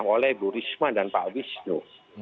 oleh bu risma dan pak wisnu